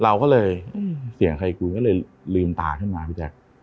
เราก็เลยเสียงใครกูก็เลยลืมตาขึ้นมาพี่แจ๊ค